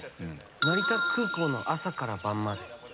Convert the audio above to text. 成田空港の朝から晩まで。